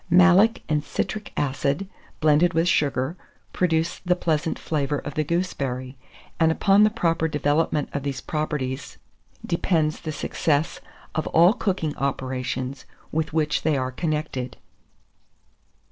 Malic and citric acid blended with sugar, produce the pleasant flavour of the gooseberry; and upon the proper development of these properties depends the success of all cooking operations with which they are connected.